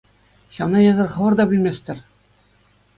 Ҫавна эсӗр хӑвӑр та пӗлместӗр!